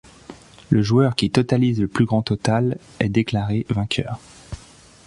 Le joueur qui totalise le plus grand total est déclaré vainqueur.